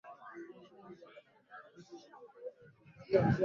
Muzungu anaweka mufuko niju yakuweka kila mutu yakwake